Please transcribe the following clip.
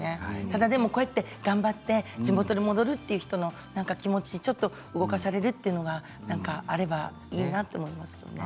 ただこうやって頑張って地元に戻るという人の気持ちにちょっと動かされるというのがあればいいなと思いますけれどね。